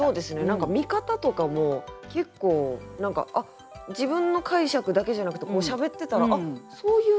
何か見方とかも結構自分の解釈だけじゃなくてこうしゃべってたら「あっ！そういう」